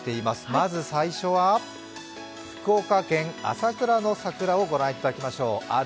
まず最初は福岡県朝倉の桜を御覧いただきましょう。